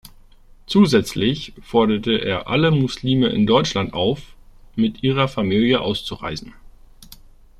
Zusätzlich forderte er alle Muslime in Deutschland auf, mit ihrer Familie auszureisen.